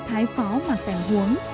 thái phó mạc cảnh huống